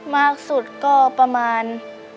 มากสุดก็ประมาณ